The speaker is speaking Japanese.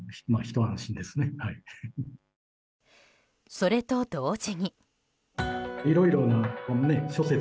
それと同時に。